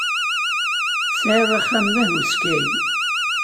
Tesɛid axxam d ahuskay.